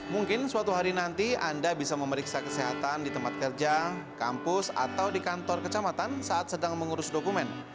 mungkin suatu hari nanti anda bisa memeriksa kesehatan di tempat kerja kampus atau di kantor kecamatan saat sedang mengurus dokumen